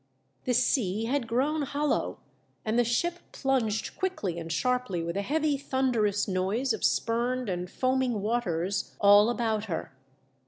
The sea had grown hollow, and the ship plunged quickly and sharply with a heavy thunderous noise of spurned and foaming waters all about her.